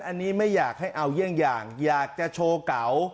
อันนี้ไม่อยากให้เอาเยี่ยงอย่างอยากจะโชว์เก่า